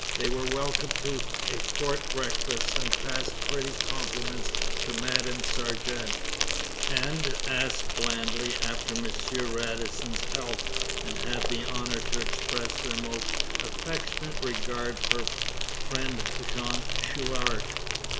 They were welcomed to a fort breakfast and passed pretty compliments to Madame Sargeant, and asked blandly after M. Radisson's health, and had the honour to express their most affectionate regard for friend Jean Chouart.